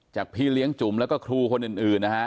พี่เลี้ยงจุ๋มแล้วก็ครูคนอื่นนะฮะ